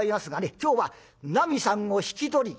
今日はなみさんを引き取りに」。